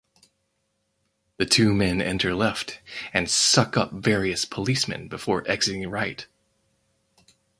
The two men enter left and suck up various policemen before exiting right.